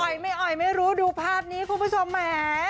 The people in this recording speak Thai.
ไม่อ่อยไม่รู้ดูภาพนี้คุณผู้ชมแหม